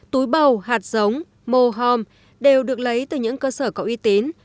túi bầu hạt giống mồ hòm đều được lấy từ những cơ sở cậu y tín